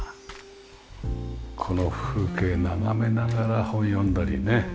この風景眺めながら本読んだりね。